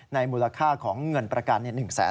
ในมูลค่าของเงินประกัน๑๕๐๐๐๐บาท